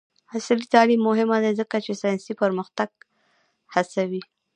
عصري تعلیم مهم دی ځکه چې ساینسي پرمختګ هڅوي.